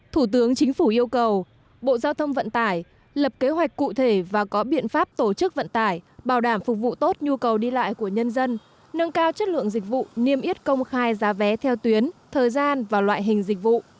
thủ tướng chính phủ yêu cầu bộ giao thông vận tải lập kế hoạch cụ thể và có biện pháp tổ chức vận tải bảo đảm phục vụ tốt nhu cầu đi lại của nhân dân nâng cao chất lượng dịch vụ niêm yết công khai giá vé theo tuyến thời gian và loại hình dịch vụ